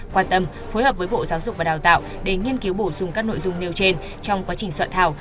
quan tâm phối hợp với bộ giáo dục và đào tạo để nghiên cứu bổ sung các nội dung nêu trên trong quá trình soạn thảo